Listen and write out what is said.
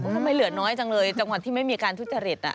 ทำไมเหลือน้อยจังเลยจังหวัดที่ไม่มีการทุจริต